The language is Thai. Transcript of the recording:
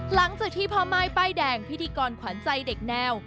หลังจากที่พ่อม่ายป้ายแดงพิธีกรขวัญใจเด็กแนว